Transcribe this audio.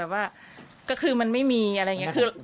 เออนี่คือเราสบายใจแล้ว